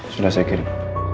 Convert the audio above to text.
sudah saya kirim